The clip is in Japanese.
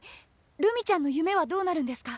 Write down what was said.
るみちゃんの夢はどうなるんですか？